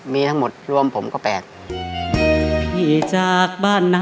มีทั้งหมดรวมผมก็แปลก